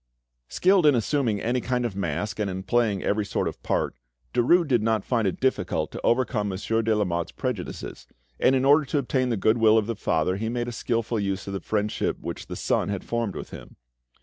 Skilled in assuming any kind of mask and in playing every sort of part, Derues did not find it difficult to overcome Monsieur de Lamotte's prejudices, and in order to obtain the goodwill of the father he made a skilful use of the friendship which the, son had formed with him.